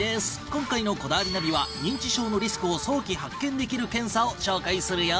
今回の『こだわりナビ』は認知症のリスクを早期発見できる検査を紹介するよ！